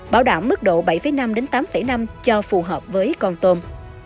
bảo đảm mức độ bảy năm tám năm cho phù hợp với con tôm